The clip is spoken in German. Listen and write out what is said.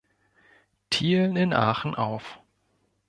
Thielen in Aachen auf.